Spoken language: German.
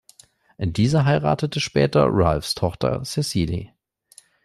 Dieser heiratete später Ralphs Tochter Cecily.